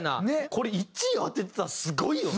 これ１位当てたらすごいよ。